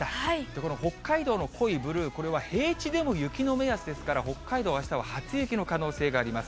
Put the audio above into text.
この北海道の濃いブルー、これは平地でも雪の目安ですから、北海道、あしたは初雪の可能性があります。